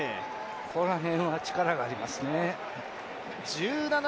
この辺は力がありますね。